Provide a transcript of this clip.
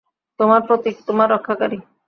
তোমার প্রতীক, তোমার রক্ষাকারী।